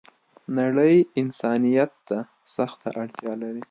نړۍ انسانيت ته سخته اړتیا لری